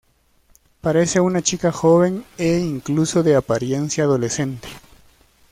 Parece una chica joven e incluso de apariencia adolescente.